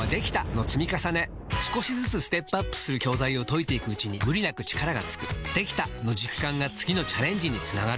少しずつステップアップする教材を解いていくうちに無理なく力がつく「できた！」の実感が次のチャレンジにつながるよし！